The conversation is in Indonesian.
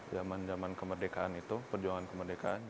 zaman zaman kemerdekaan itu perjuangan kemerdekaan